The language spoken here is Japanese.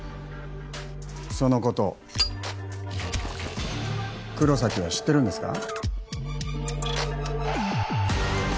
そのこと黒崎は知ってるんですか？